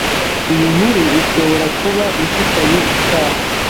Iyi nkuru ishobora kuba ifitanye isano